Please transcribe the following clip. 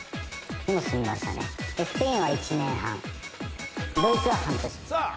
スペインは１年半ドイツは半年。